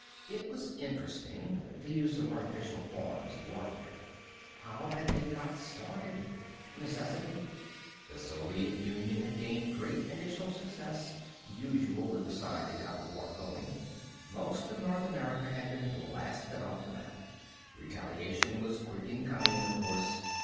It was interesting, the use of artificial forms in warfare. How had they got started? Necessity. The Soviet Union had gained great initial success, usual with the side that got the war going. Most of North America had been blasted off the map. Retaliation was quick in coming, of course.